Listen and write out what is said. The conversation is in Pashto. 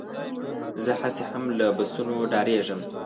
زه هسې هم له بسونو ډارېږم.